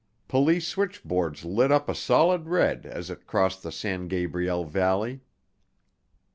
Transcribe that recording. Police switchboards lit up a solid red as it crossed the San Gabriel Valley.